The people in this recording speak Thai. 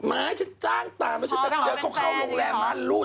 ไม่ฉันจ้างตามแล้วฉันไปเจอเขาเข้าโรงแรมม่านรูด